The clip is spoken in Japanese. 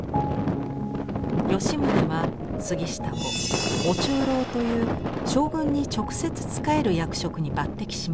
吉宗は杉下を「御中臈」という将軍に直接仕える役職に抜てきします。